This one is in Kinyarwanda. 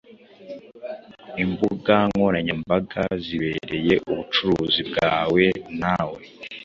imbuga nkoranyambaga zibereye ubucuruzi bwawe nawe